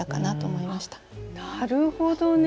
なるほどね。